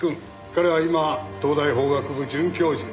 彼は今東大法学部准教授。